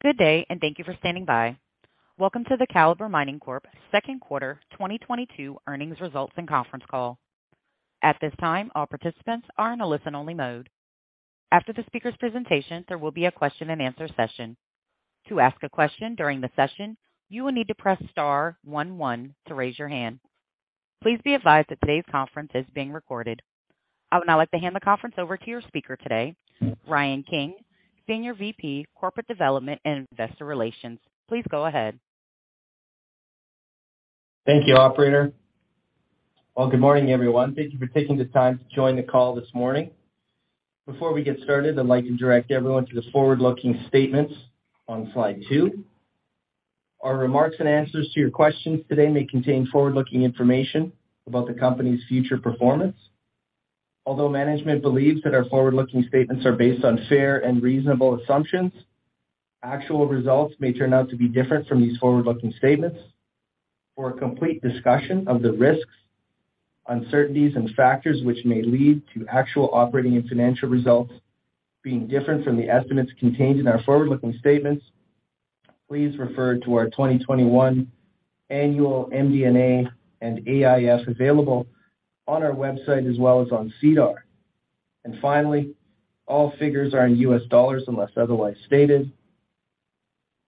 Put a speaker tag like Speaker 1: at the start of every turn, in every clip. Speaker 1: Good day, and thank you for standing by. Welcome to the Calibre Mining Corp second quarter 2022 earnings results and conference call. At this time, all participants are in a listen-only mode. After the speaker's presentation, there will be a question-and-answer session. To ask a question during the session, you will need to press star one one to raise your hand. Please be advised that today's conference is being recorded. I would now like to hand the conference over to your speaker today, Ryan King, Senior VP, Corporate Development and Investor Relations. Please go ahead.
Speaker 2: Thank you, operator. Well, good morning, everyone. Thank you for taking the time to join the call this morning. Before we get started, I'd like to direct everyone to the forward-looking statements on Slide 2. Our remarks and answers to your questions today may contain forward-looking information about the company's future performance. Although management believes that our forward-looking statements are based on fair and reasonable assumptions, actual results may turn out to be different from these forward-looking statements. For a complete discussion of the risks, uncertainties, and factors which may lead to actual operating and financial results being different from the estimates contained in our forward-looking statements, please refer to our 2021 Annual MD&A and AIF available on our website as well as on SEDAR. Finally, all figures are in U.S. dollars unless otherwise stated.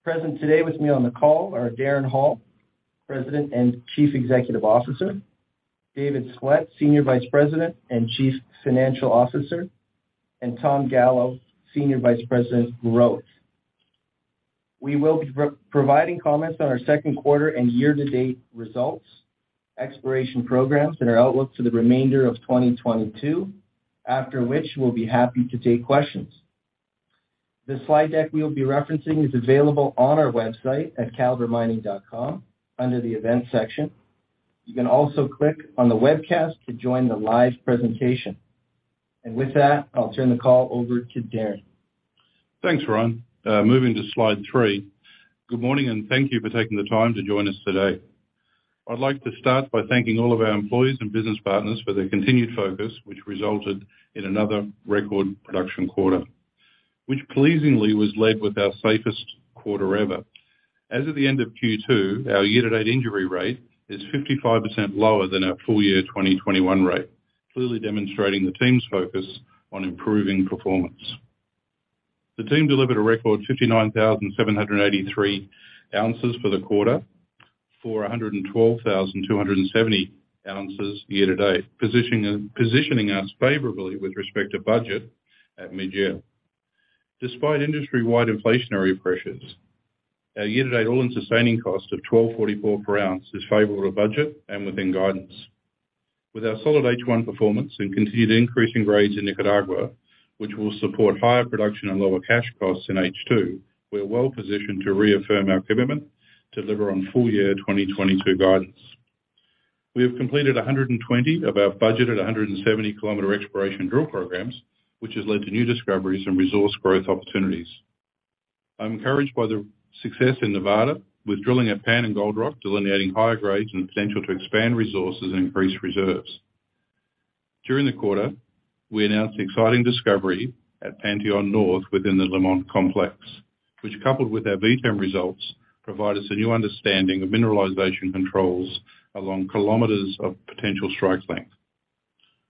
Speaker 2: Present today with me on the call are Darren Hall, President and Chief Executive Officer, David Splett, Senior Vice President and Chief Financial Officer, and Tom Gallo, Senior Vice President, Growth. We will be providing comments on our second quarter and year-to-date results, exploration programs, and our outlook to the remainder of 2022. After which, we'll be happy to take questions. The slide deck we'll be referencing is available on our website at calibremining.com under the Events section. You can also click on the webcast to join the live presentation. With that, I'll turn the call over to Darren.
Speaker 3: Thanks, Ryan. Moving to Slide 3. Good morning, and thank you for taking the time to join us today. I'd like to start by thanking all of our employees and business partners for their continued focus, which resulted in another record production quarter, which pleasingly was led with our safest quarter ever. As of the end of Q2, our year-to-date injury rate is 55% lower than our full year 2021 rate, clearly demonstrating the team's focus on improving performance. The team delivered a record 59,783 oz for the quarter for a 112,270 oz year-to-date, positioning us favorably with respect to budget at midyear. Despite industry-wide inflationary pressures, our year-to-date all-in sustaining cost of $1,244/oz is favorable to budget and within guidance. With our solid H1 performance and continued increasing grades in Nicaragua, which will support higher production and lower cash costs in H2, we're well positioned to reaffirm our commitment to deliver on full year 2022 guidance. We have completed 120 of our budgeted 170-km exploration drill programs, which has led to new discoveries and resource growth opportunities. I'm encouraged by the success in Nevada with drilling at Pan and Gold Rock, delineating higher grades and potential to expand resources and increase reserves. During the quarter, we announced an exciting discovery at Pantheon North within the Limon Complex, which, coupled with our VTEM results, provide us a new understanding of mineralization controls along kilometers of potential strike length.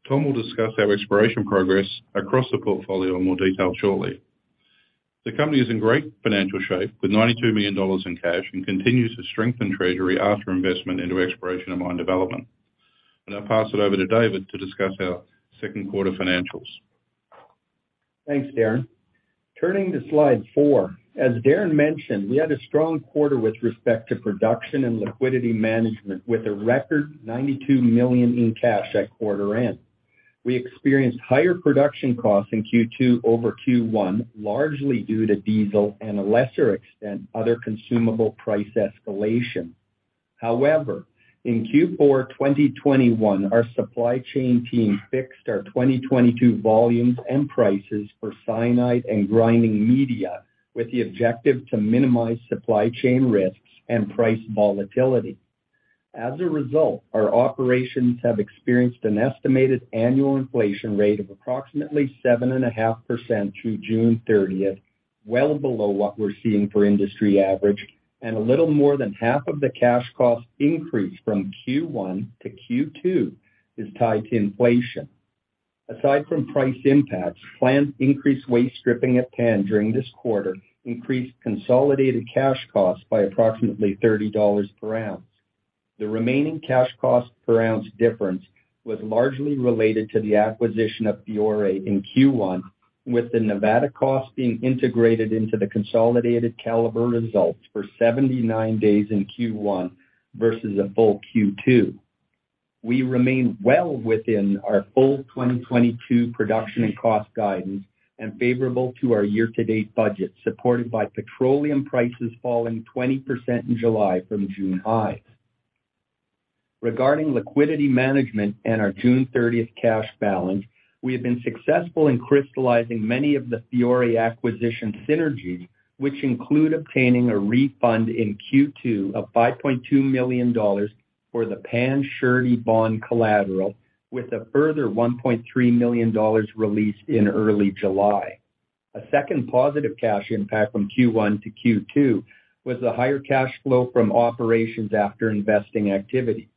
Speaker 3: Tom will discuss our exploration progress across the portfolio in more detail shortly. The company is in great financial shape with $92 million in cash and continues to strengthen treasury after investment into exploration and mine development. I'll pass it over to David to discuss our second quarter financials.
Speaker 4: Thanks, Darren. Turning to Slide 4. As Darren mentioned, we had a strong quarter with respect to production and liquidity management, with a record $92 million in cash at quarter end. We experienced higher production costs in Q2 over Q1, largely due to diesel and a lesser extent, other consumable price escalation. However, in Q4 2021, our supply chain team fixed our 2022 volumes and prices for cyanide and grinding media with the objective to minimize supply chain risks and price volatility. As a result, our operations have experienced an estimated annual inflation rate of approximately 7.5% through June 30th, well below what we're seeing for industry average and a little more than half of the cash cost increase from Q1 to Q2 is tied to inflation. Aside from price impacts, planned increased waste stripping at Pan during this quarter increased consolidated cash costs by approximately $30/oz. The remaining cash cost per ounce difference was largely related to the acquisition of Fiore in Q1, with the Nevada cost being integrated into the consolidated Calibre results for 79 days in Q1 versus a full Q2. We remain well within our full 2022 production and cost guidance and favorable to our year-to-date budget, supported by petroleum prices falling 20% in July from June highs. Regarding liquidity management and our June 30th cash balance, we have been successful in crystallizing many of the Fiore acquisition synergies, which include obtaining a refund in Q2 of $5.2 million for the Pan surety bond collateral with a further $1.3 million released in early July. A second positive cash impact from Q1 to Q2 was the higher cash flow from operations after investing activity.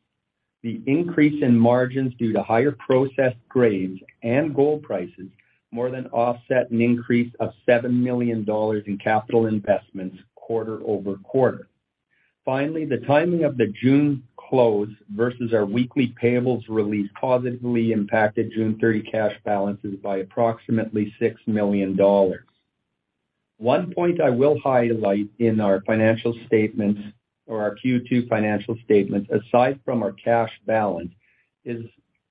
Speaker 4: The increase in margins due to higher processed grades and gold prices more than offset an increase of $7 million in capital investments quarter-over-quarter. Finally, the timing of the June close versus our weekly payables release positively impacted June 30 cash balances by approximately $6 million. One point I will highlight in our financial statements or our Q2 financial statements, aside from our cash balance, is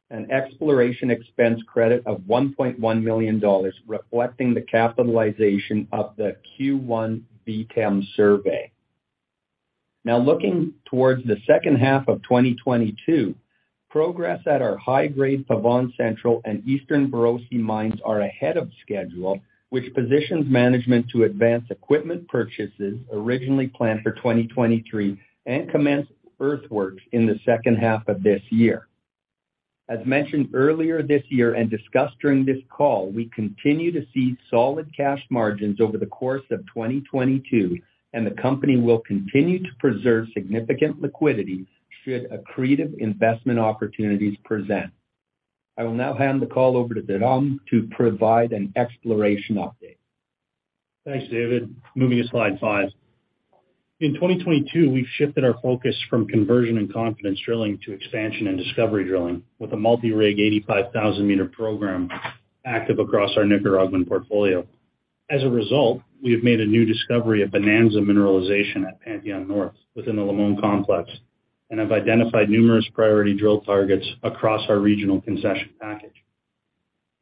Speaker 4: an exploration expense credit of $1.1 million, reflecting the capitalization of the Q1 VTEM survey. Now looking towards the second half of 2022, progress at our high-grade Pavón Central and Eastern Borosi mines are ahead of schedule, which positions management to advance equipment purchases originally planned for 2023 and commence earthworks in the second half of this year. As mentioned earlier this year and discussed during this call, we continue to see solid cash margins over the course of 2022, and the company will continue to preserve significant liquidity should accretive investment opportunities present. I will now hand the call over to Tom to provide an exploration update.
Speaker 5: Thanks, David. Moving to Slide 5. In 2022, we've shifted our focus from conversion and confidence drilling to expansion and discovery drilling, with a multi-rig 85,000-m program active across our Nicaraguan portfolio. As a result, we have made a new discovery of bonanza mineralization at Pantheon North within the Limon Complex and have identified numerous priority drill targets across our regional concession package.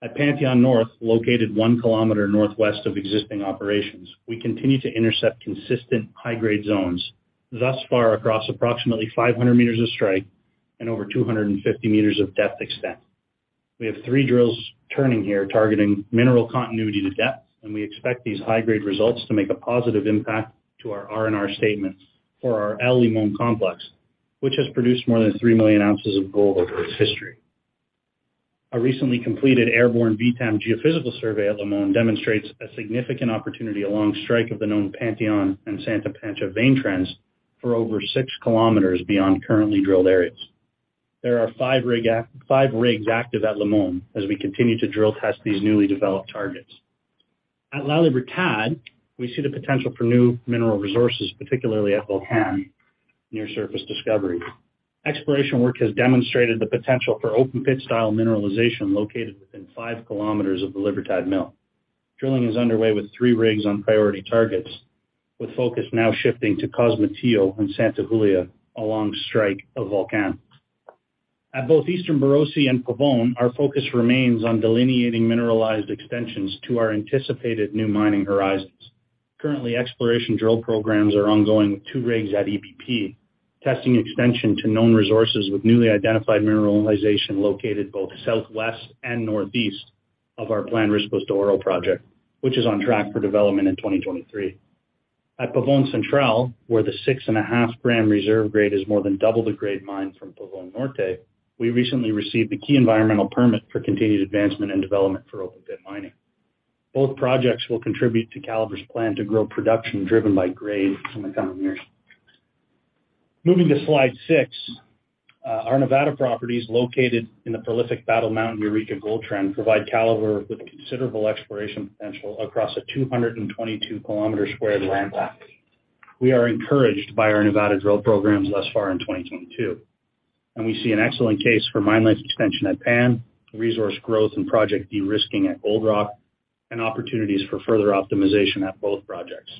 Speaker 5: At Pantheon North, located 1 km northwest of existing operations, we continue to intercept consistent high-grade zones, thus far across approximately 500 m of strike and over 250 m of depth extent. We have three drills turning here, targeting mineral continuity to depth, and we expect these high-grade results to make a positive impact to our R&R statements for our El Limon Complex, which has produced more than 3 million oz of gold over its history. A recently completed airborne VTEM geophysical survey at Limon demonstrates a significant opportunity along strike of the known Pantheon and Santa Pancha vein trends for over 6 km beyond currently drilled areas. There are five rigs active at Limon as we continue to drill test these newly developed targets. At La Libertad, we see the potential for new mineral resources, particularly at Volcan near surface discovery. Exploration work has demonstrated the potential for open pit style mineralization located within 5 km of the Libertad mill. Drilling is underway with three rigs on priority targets, with focus now shifting to Cosmatillo and Santa Julia along strike of Volcan. At both Eastern Borosi and Pavón, our focus remains on delineating mineralized extensions to our anticipated new mining horizons. Currently, exploration drill programs are ongoing with two rigs at EPP, testing extension to known resources with newly identified mineralization located both southwest and northeast of our planned Riscos de Oro project, which is on track for development in 2023. At Pavón Central, where the 6.5 g reserve grade is more than double the grade mined from Pavón Norte, we recently received the key environmental permit for continued advancement and development for open pit mining. Both projects will contribute to Calibre's plan to grow production driven by grade in the coming years. Moving to Slide 6, our Nevada properties located in the prolific Battle Mountain-Eureka Gold Trend provide Calibre with considerable exploration potential across a 222 sq km land mass. We are encouraged by our Nevada drill programs thus far in 2022, and we see an excellent case for mine life extension at Pan, resource growth and project de-risking at Gold Rock, and opportunities for further optimization at both projects.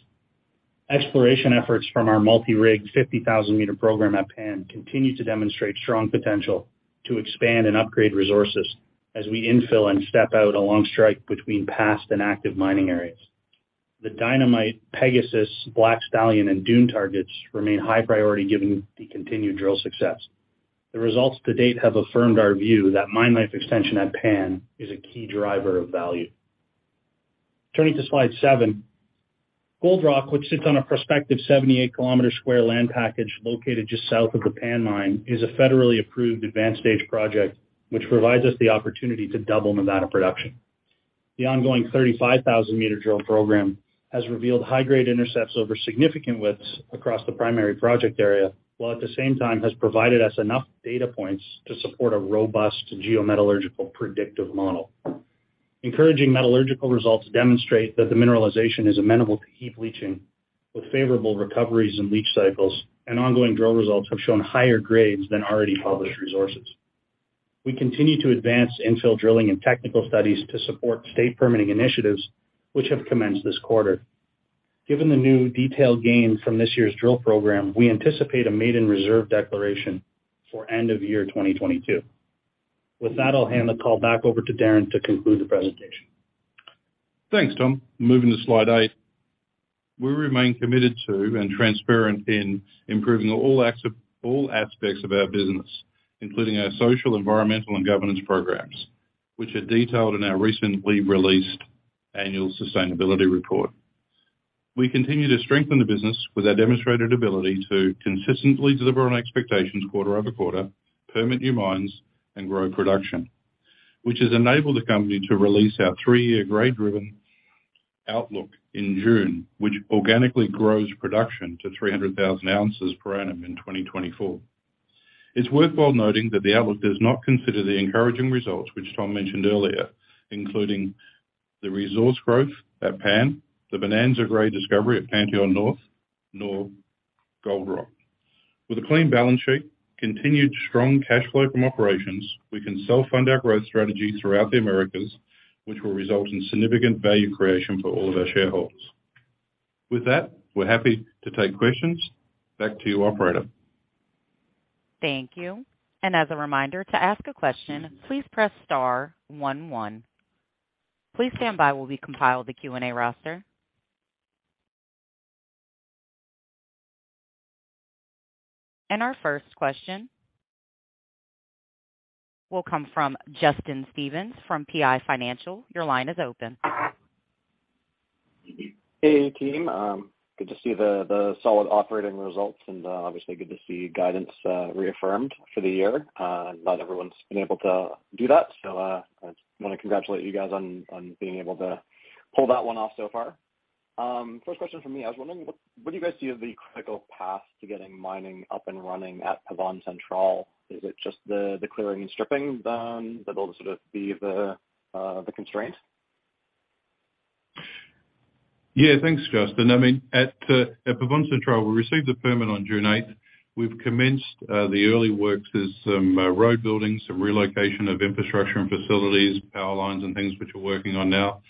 Speaker 5: Exploration efforts from our multi-rig 50,000 m program at Pan continue to demonstrate strong potential to expand and upgrade resources as we infill and step out along strike between past and active mining areas. The Dynamite, Pegasus, Black Stallion, and Dune targets remain high priority given the continued drill success. The results to date have affirmed our view that mine life extension at Pan is a key driver of value. Turning to Slide 7. Gold Rock, which sits on a prospective 78 sq km land package located just south of the Pan mine, is a federally approved advanced stage project which provides us the opportunity to double Nevada production. The ongoing 35,000-m drill program has revealed high-grade intercepts over significant widths across the primary project area, while at the same time has provided us enough data points to support a robust geometallurgical predictive model. Encouraging metallurgical results demonstrate that the mineralization is amenable to heap leaching with favorable recoveries and leach cycles, and ongoing drill results have shown higher grades than already published resources. We continue to advance infill drilling and technical studies to support state permitting initiatives which have commenced this quarter. Given the new detailed data from this year's drill program, we anticipate a maiden reserve declaration for end of year 2022. With that, I'll hand the call back over to Darren to conclude the presentation.
Speaker 3: Thanks, Tom. Moving to Slide 8. We remain committed to and transparent in improving all aspects of our business, including our social, environmental, and governance programs, which are detailed in our recently released Annual Sustainability Report. We continue to strengthen the business with our demonstrated ability to consistently deliver on expectations quarter over quarter, permit new mines, and grow production, which has enabled the company to release our three-year grade-driven outlook in June, which organically grows production to 300,000 oz per annum in 2024. It's worthwhile noting that the outlook does not consider the encouraging results which Tom mentioned earlier, including the resource growth at Pan, the bonanza grade discovery at Pantheon North, nor Gold Rock. With a clean balance sheet, continued strong cash flow from operations, we can self-fund our growth strategy throughout the Americas, which will result in significant value creation for all of our shareholders. With that, we're happy to take questions. Back to you, operator.
Speaker 1: Thank you. As a reminder, to ask a question, please press star one one. Please stand by while we compile the Q&A roster. Our first question will come from Justin Stevens from PI Financial. Your line is open.
Speaker 6: Hey, team. Good to see the solid operating results and obviously good to see guidance reaffirmed for the year. Not everyone's been able to do that, so I just wanna congratulate you guys on being able to pull that one off so far. First question from me. I was wondering what do you guys see as the critical path to getting mining up and running at Pavón Central? Is it just the clearing and stripping, then that'll sort of be the constraint?
Speaker 3: Yeah. Thanks, Justin. I mean, at Pavón Central, we received the permit on June 8th. We've commenced the early works. There's some road building, some relocation of infrastructure and facilities, power lines and things which we're working on now.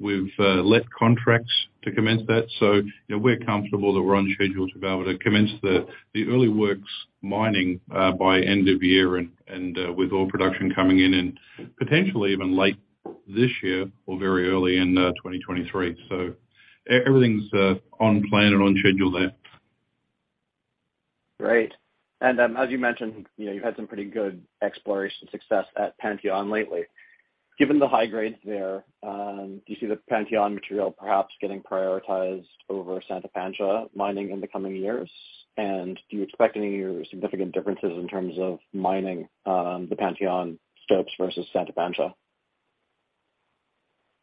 Speaker 3: We've let contracts to commence that. You know, we're comfortable that we're on schedule to be able to commence the early works mining by end of year and with gold production coming in, and potentially even late this year or very early in 2023. Everything's on plan and on schedule there.
Speaker 6: Great. As you mentioned, you know, you've had some pretty good exploration success at Pantheon lately. Given the high grades there, do you see the Pantheon material perhaps getting prioritized over Santa Pancha mining in the coming years? Do you expect any significant differences in terms of mining, the Pantheon stopes versus Santa Pancha?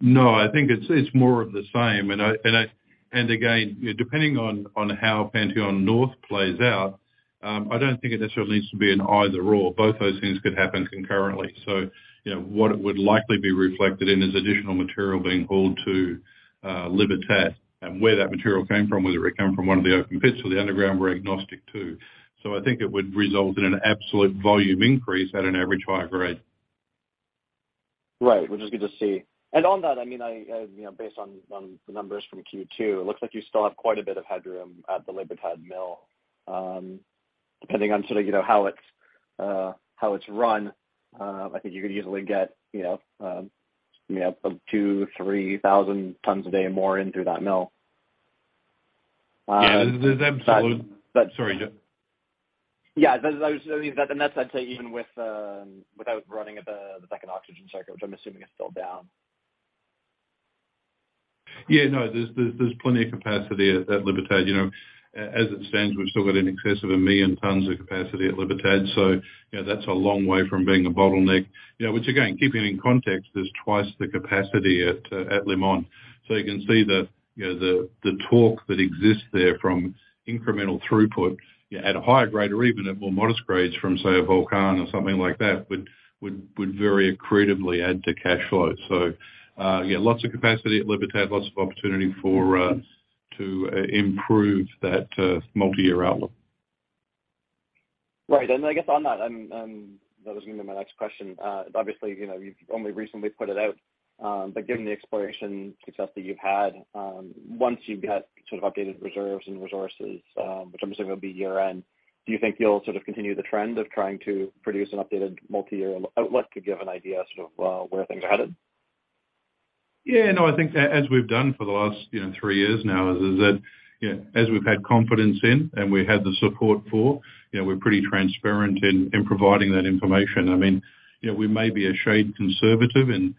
Speaker 3: No, I think it's more of the same. Again, depending on how Pantheon North plays out, I don't think it necessarily needs to be an either/or. Both those things could happen concurrently. You know, what it would likely be reflected in is additional material being hauled to Libertad. Where that material came from, whether it come from one of the open pits or the underground, we're agnostic to. I think it would result in an absolute volume increase at an average higher grade.
Speaker 6: Right. Which is good to see. On that, I mean, you know, based on the numbers from Q2, it looks like you still have quite a bit of headroom at the Libertad mill. Depending on sort of, you know, how it's run, I think you could easily get you know up to 3,000 tons a day more in through that mill. But.
Speaker 3: Yeah. Sorry, Justin.
Speaker 6: I mean, that's, I'd say, even with, without running at the second oxygen circuit, which I'm assuming is still down.
Speaker 3: Yeah, no. There's plenty of capacity at Libertad. You know, as it stands, we've still got in excess of 1 million tons of capacity at Libertad, so, you know, that's a long way from being a bottleneck. You know, which again, keeping in context, there's twice the capacity at Limon. So you can see that, you know, the torque that exists there from incremental throughput at a higher grade or even at more modest grades from, say, Volcan or something like that, would very accretively add to cash flow. So, yeah, lots of capacity at Libertad, lots of opportunity to improve that multi-year outlook.
Speaker 6: Right. I guess on that was gonna be my next question. Obviously, you know, you've only recently put it out, but given the exploration success that you've had, once you get sort of updated reserves and resources, which I'm assuming will be year-end, do you think you'll sort of continue the trend of trying to produce an updated multi-year outlook to give an idea sort of where things are headed?
Speaker 3: Yeah, no. I think as we've done for the last, you know, three years now is that, you know, as we've had confidence in and we had the support for, you know, we're pretty transparent in providing that information. I mean, you know, we may be a shade conservative in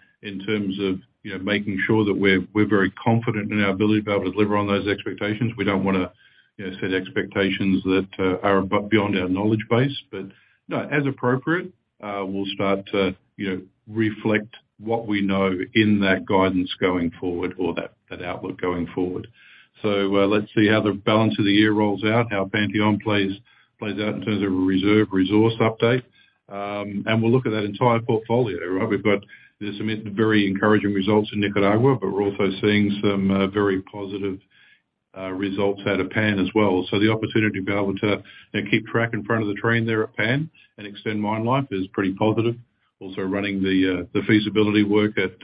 Speaker 3: terms of, you know, making sure that we're very confident in our ability to be able to deliver on those expectations. We don't wanna, you know, set expectations that are beyond our knowledge base. No, as appropriate, we'll start to, you know, reflect what we know in that guidance going forward or that outlook going forward. Let's see how the balance of the year rolls out, how Pantheon plays out in terms of a reserve resource update. We'll look at that entire portfolio, right? We've got, you know, some very encouraging results in Nicaragua, but we're also seeing some very positive results out of Pan as well. The opportunity to be able to, you know, keep track in front of the train there at Pan and extend mine life is pretty positive. Also running the feasibility work at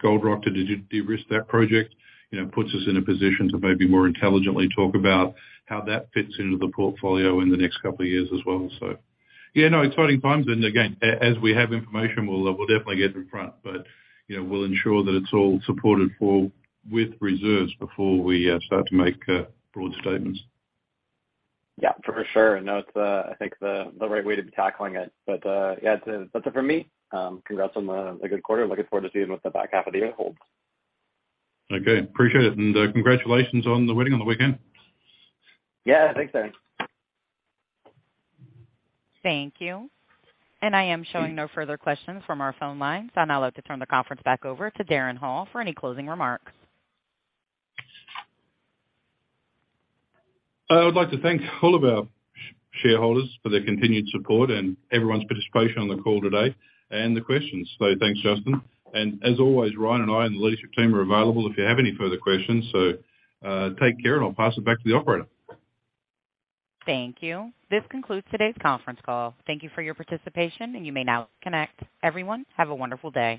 Speaker 3: Gold Rock to de-risk that project, you know, puts us in a position to maybe more intelligently talk about how that fits into the portfolio in the next couple of years as well. Yeah, no, exciting times. Again, as we have information, we'll definitely get in front. You know, we'll ensure that it's all supported for with reserves before we start to make broad statements.
Speaker 6: Yeah, for sure. No, it's, I think the right way to be tackling it. Yeah. That's it for me. Congrats on a good quarter. Looking forward to seeing what the back half of the year holds.
Speaker 3: Okay, appreciate it. Congratulations on the wedding on the weekend.
Speaker 6: Yeah, thanks, Darren.
Speaker 1: Thank you. I am showing no further questions from our phone lines. I'd now like to turn the conference back over to Darren Hall for any closing remarks.
Speaker 3: I would like to thank all of our shareholders for their continued support and everyone's participation on the call today, and the questions. Thanks, Justin. As always, Ryan and I and the leadership team are available if you have any further questions. Take care, and I'll pass it back to the operator.
Speaker 1: Thank you. This concludes today's conference call. Thank you for your participation. You may now disconnect. Everyone, have a wonderful day.